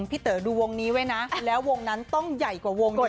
เต๋อดูวงนี้ไว้นะแล้ววงนั้นต้องใหญ่กว่าวงด้วย